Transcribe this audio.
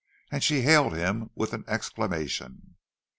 And she hailed him with an exclamation.